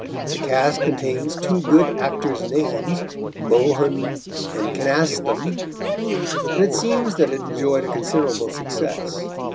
The cast contains two good actors' names, Mohun and Kynaston, and it seems that it enjoyed a considerable success.